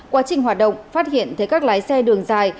quá trình hoạt động phát hiện thấy các lái xe đường dài